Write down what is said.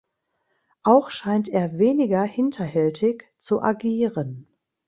Auch scheint er weniger hinterhältig zu agieren.